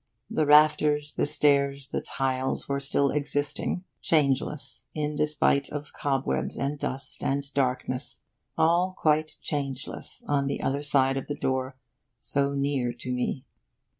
The rafters, the stairs, the tiles, were still existing, changeless in despite of cobwebs and dust and darkness, all quite changeless on the other side of the door, so near to me.